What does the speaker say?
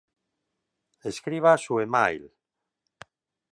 Escriba su email